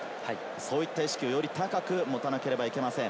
そういった意識をより高く持たなければいけません。